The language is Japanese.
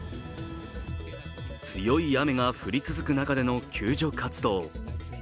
強い雨が降り続く中での救助活動。